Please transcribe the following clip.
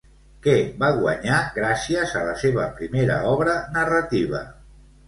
Què va guanyar gràcies a la seva primera obra narrativa?